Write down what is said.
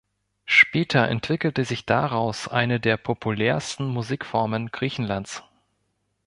Später entwickelte sich daraus eine der populärsten Musikformen Griechenlands.